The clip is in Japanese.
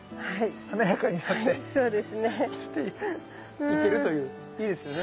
華やかになっていけるといういいですよね。